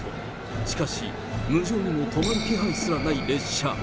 しかし、無情にも止まる気配すらない列車。